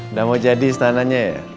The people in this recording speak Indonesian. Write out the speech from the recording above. nggak mau jadi istananya ya